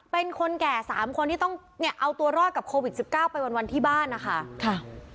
เป็นคนแก่๓คนที่ต้องเนี่ยเอาตัวรอดกับโควิด๑๙ไปวันที่บ้านนะคะ